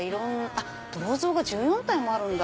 あっ銅像が１４体もあるんだ。